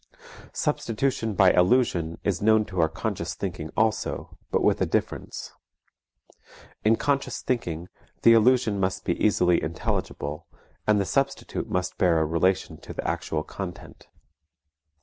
Substitution by allusion is known to our conscious thinking also, but with a difference. In conscious thinking the allusion must be easily intelligible, and the substitute must bear a relation to the actual content.